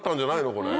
これ。